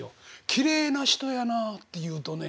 「きれいな人やなあ」って言うとね